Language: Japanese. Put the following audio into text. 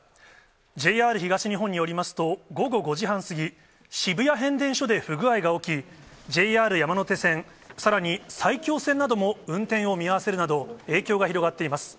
ＪＲ東日本によりますと、午後５時半過ぎ、渋谷変電所で不具合が起き、ＪＲ山手線、さらに埼京線なども運転を見合わせるなど、影響が広がっています。